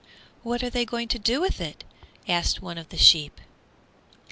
"What are they going to do with it?" asked one of the sheep.